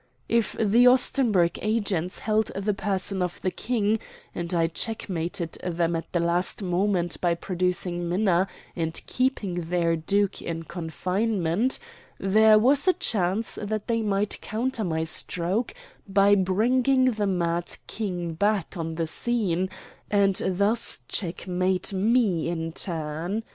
If the Ostenburg agents held the person of the King, and I checkmated them at the last moment by producing Minna and keeping their duke in confinement, there was a chance that they might counter my stroke by bringing the mad King back on the scene, and thus checkmate me in turn.